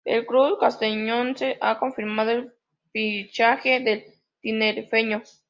El club castellonense ha confirmado el fichaje del tinerfeño